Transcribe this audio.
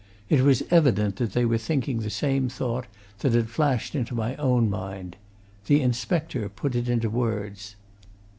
It was evident that they were thinking the same thought that had flashed into my own mind. The inspector put it into words.